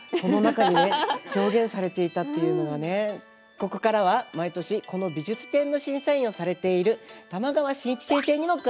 ここからは毎年この美術展の審査員をされている玉川信一先生にも加わって頂きます。